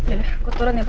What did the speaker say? ayo deh aku turun ya pa